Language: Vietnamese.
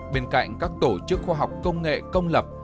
bên cạnh các tổ chức khoa học công nghệ công lập